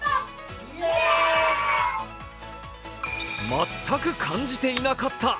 全く感じていなかった！